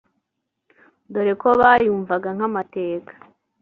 dore ko bayumvaga nk’amateka